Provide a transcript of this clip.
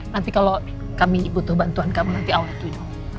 nanti kalau kami butuh bantuan kamu nanti awalnya tunjuk